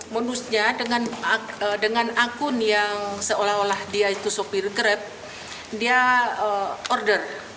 modusnya dengan akun yang seolah olah dia itu sopir grab dia order